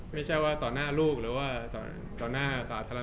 ไม่ใช่ว่าต่อหน้าลูกหรือว่าต่อหน้าสาธารณชนหรือว่าอะไรอย่างนี้